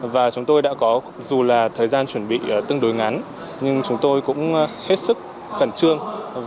và chúng tôi đã có dù là thời gian chuẩn bị tương đối ngắn nhưng chúng tôi cũng hết sức khẩn trương